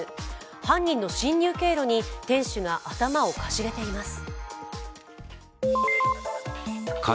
犯人の侵入経路に、店主が頭をかしげています。